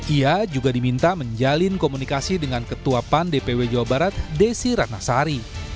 ia juga diminta menjalin komunikasi dengan ketua pan dpw jawa barat desi ratnasari